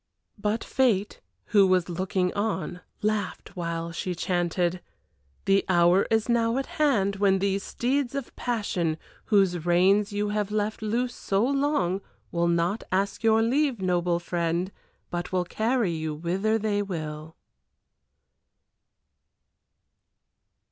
But Fate, who was looking on, laughed while she chanted, "The hour is now at hand when these steeds of passion whose reins you have left loose so long will not ask your leave, noble friend, but will carry you whither they will."